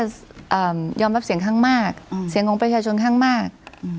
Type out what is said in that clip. ยอมรับเสียงข้างมากเสียงของประชาชนข้างมาก